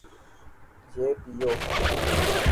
یہ پیو